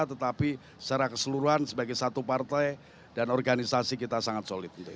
tetapi secara keseluruhan sebagai satu partai dan organisasi kita sangat solid